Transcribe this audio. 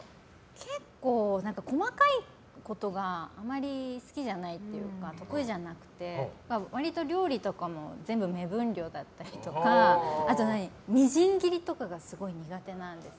結構、細かいことがあまり好きじゃないというか得意じゃなくて割と料理とかも全部、目分量だったりとかみじん切りとかがすごい苦手なんです。